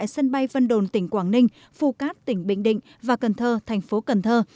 sân bay vân đồn tỉnh quảng ninh phu cát tỉnh bình định và cần thơ thành phố cần thơ